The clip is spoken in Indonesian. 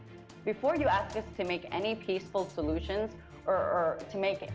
sebelum anda meminta kami untuk membuat solusi yang tenang